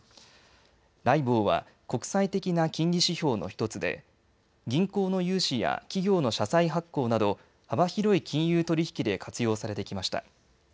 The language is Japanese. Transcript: ＬＩＢＯＲは国際的な金利指標の１つで銀行の融資や企業の社債発行など幅広い金融取引で活用されてきました。